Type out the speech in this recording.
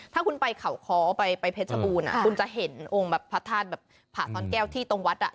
ถ้าคุณไปเขาค้อไปเพชรบูรณ์คุณจะเห็นองค์แบบพระธาตุแบบผ่าซ่อนแก้วที่ตรงวัดอ่ะ